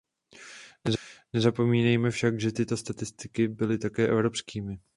Nezapomínejme však, že tyto statistiky byly také evropskými.